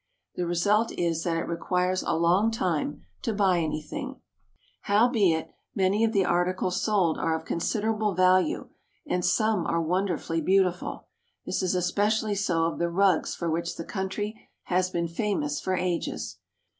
The result is that it requires a long time to buy anything. ARABIA, OR LIFE IN THE DESERT 333 Howbeit, many of the articles sold are of considerable value, and some are wonderfully beautiful. This is espe cially so of the rugs for which the country has been famous for ages.